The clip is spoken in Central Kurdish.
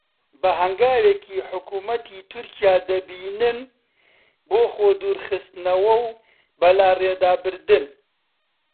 بە هەنگاوێکی حکوومەتی تورکیا دەبینن بۆ خۆدوورخستنەوە و بەلاڕێدابردن